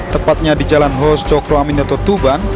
tepatnya di jalan hos cokroaminato tuban